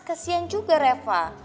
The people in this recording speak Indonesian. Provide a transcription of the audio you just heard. kasian juga reva